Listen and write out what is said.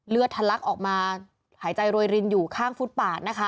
ทะลักออกมาหายใจโรยรินอยู่ข้างฟุตปาดนะคะ